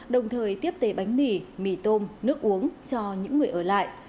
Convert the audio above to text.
đồng thời tiếp tế bánh mì mì tôm nước uống cho những người ở lại